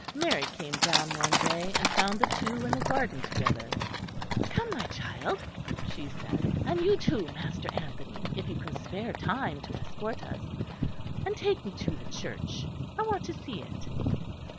Mary came down one day and found the two in the garden together. "Come, my child," she said, "and you too, Master Anthony, if you can spare time to escort us; and take me to the church. I want to see it."